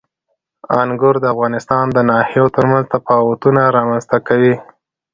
انګور د افغانستان د ناحیو ترمنځ تفاوتونه رامنځ ته کوي.